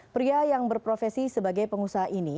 pria yang berprofesi sebagai pengusaha ini